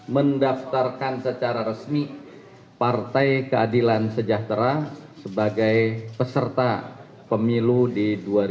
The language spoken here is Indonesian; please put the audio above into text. mendaftarkan secara resmi partai keadilan sejahtera sebagai peserta pemilu di dua ribu dua puluh